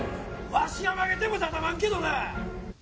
わしは負けても畳まんけどな！